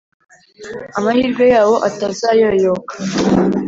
amahirwe yawo atazayoyoka,